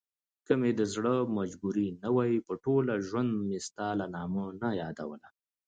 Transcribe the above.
که مې دزړه مجبوري نه وای په ټوله ژوندمي ستا نامه نه يادوله